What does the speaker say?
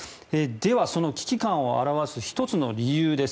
では、その危機感を表す１つの理由です。